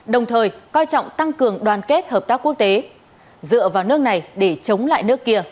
đồng thời coi trọng tăng cường đoàn kết hợp tác quốc tế dựa vào nước này để chống lại nước kia